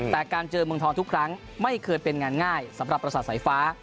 แต่การเจอเมืองทองทุกครั้งไม่เคยเป็นงานง่ายสำหรับประสาทสายฟ้า